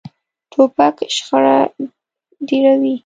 توپک شخړه ډېروي.